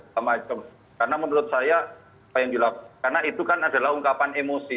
karena menurut saya karena itu kan adalah ungkapan emosi